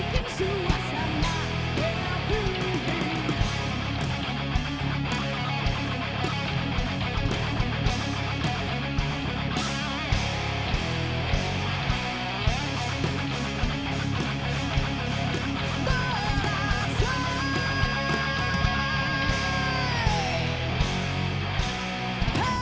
pemindasan kekerasan kejangan